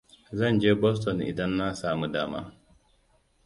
Zan je Boston idan na samu dama.